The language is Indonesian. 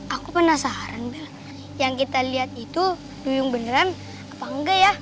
aku penasaran bel yang kita liat itu duyung beneran apa engga ya